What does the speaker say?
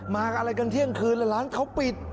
มาอะไรกันเที่ยงคืนแล้วร้านเขาปิด